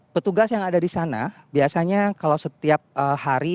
petugas yang ada di sana biasanya kalau setiap hari